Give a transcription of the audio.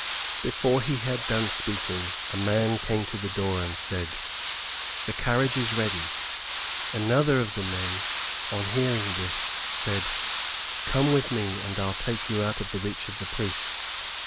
Before he had done speaking, a man came to the door and said, "The carriage is ready." Another of the men, on hearing this, said, "Come with me, and I'll take you out of the reach of the priests."